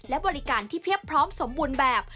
และบริการที่เพียบพร้อมสมบูรณ์แบบ